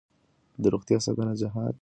د روغتیا ساتنه جهاد دی.